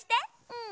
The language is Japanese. うん。